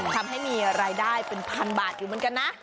ทำให้มีรายได้เป็นพันบาทอยู่เหมือนกันนะ